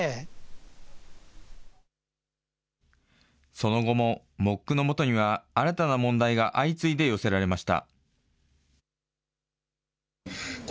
その後もＭＯＣのもとには、新たな問題が相次いで寄せられました。